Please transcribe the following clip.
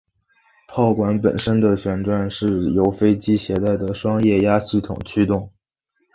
炮管本身的旋转则是由飞机携带的双液压系统驱动。